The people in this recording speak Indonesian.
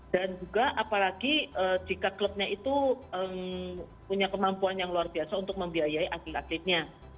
dan juga apalagi jika klubnya itu punya kemampuan yang luar biasa untuk membiayai atlet atletnya